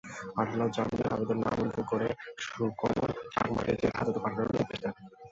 আদালত জামিনের আবেদন নামঞ্জুর করে সুকোমল চাকমাকে জেলহাজতে পাঠানোর নির্দেশ দেন।